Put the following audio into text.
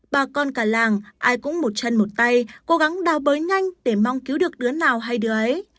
bà con cả làng ai cũng một chân một tay cố gắng đào bới nhanh để mong cứu được đứa nào hay đứa ấy